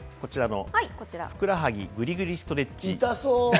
ふくらはぎグリグリストレッチ。